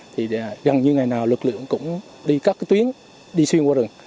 thì gần như ngày nào lực lượng cũng đi các cái tuyến đi xuyên qua rừng